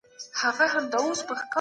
پښتانه ليکوال دې ژوره روحيه وساتي.